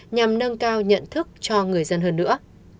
nhằm nâng cao nhận thức cho người dân hơn nữa